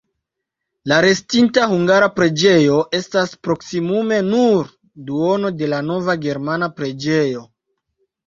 La restinta hungara preĝejo estas proksimume nur duono de la nova germana preĝejo.